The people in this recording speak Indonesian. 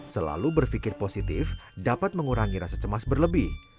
selalu berpikir positif dapat mengurangi rasa cemas berlebih